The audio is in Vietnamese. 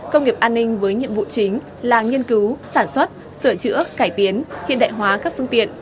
công nghiệp an ninh với nhiệm vụ chính là nghiên cứu sản xuất sửa chữa cải tiến hiện đại hóa các phương tiện